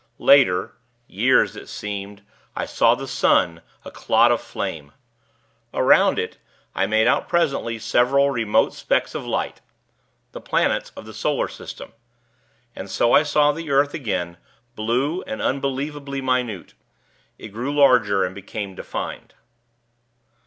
Later, years it seemed, I saw the sun, a clot of flame. Around it, I made out presently several remote specks of light the planets of the Solar system. And so I saw the earth again, blue and unbelievably minute. It grew larger, and became defined.